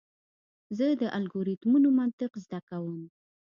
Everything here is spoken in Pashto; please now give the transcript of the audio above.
زه د الگوریتمونو منطق زده کوم.